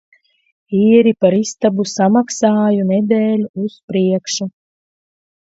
Īri par istabu samaksāju nedēļu uz priekšu.